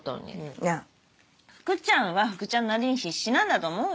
いや福ちゃんは福ちゃんなりに必死なんだと思うよ。